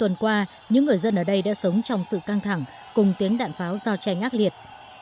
hơn qua những người dân ở đây đã sống trong sự căng thẳng cùng tiếng đạn pháo giao tranh ác liệt